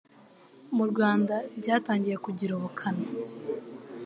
Mu Rwanda ryatangiye kugira ubukana